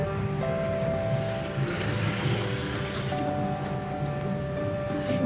terima kasih juga